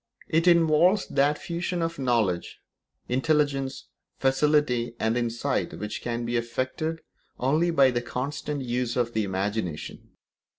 It involves that fusion of knowledge, intelligence, facility, and insight which can be effected only by the constant use of the imagination.